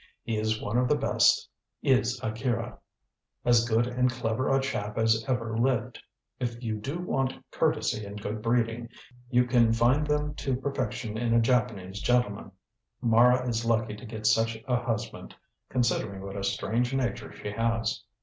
"He is one of the best is Akira. As good and clever a chap as ever lived. If you do want courtesy and good breeding, you can find them to perfection in a Japanese gentleman. Mara is lucky to get such a husband, considering what a strange nature she has."